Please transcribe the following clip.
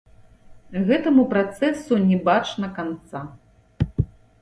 Гэтаму працэсу не бачна канца.